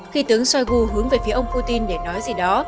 khi tướng shoigu hướng về phía ông putin để nói gì đó